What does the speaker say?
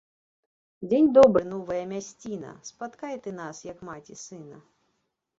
Дзень добры, новая мясціна! Спаткай ты нас, як маці сына